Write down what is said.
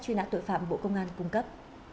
truy nã tội phạm bộ công an cung cấp